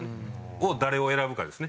を誰を選ぶかですね。